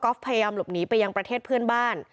พยายามหลบหนีไปยังประเทศเพื่อนบ้าน